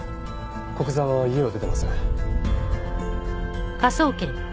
古久沢は家を出てません。